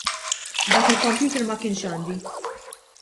Dak il-computer ma kienx għandi.